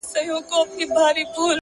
په سپورمۍ كي ستا تصوير دى ـ